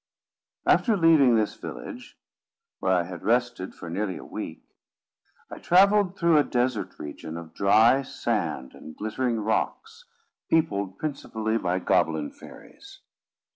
After leaving this village, where I had rested for nearly a week, I travelled through a desert region of dry sand and glittering rocks, peopled principally by goblin fairies.